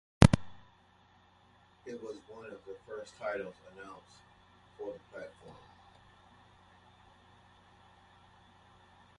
It was one of the first titles announced for the platform.